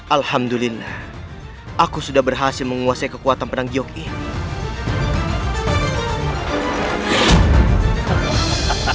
alhamdulillah aku sudah berhasil menguasai kekuatan perang gyoge ini